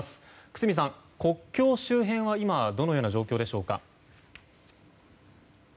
久須美さん、国境周辺は今、どのような状況でしょうか。